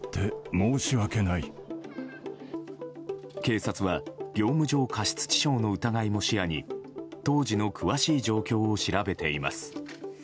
警察は業務上過失致傷の疑いも視野に当時の詳しい状況を調べています。